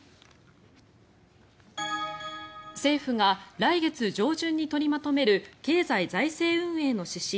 政府が来月上旬に取りまとめる経済財政運営の指針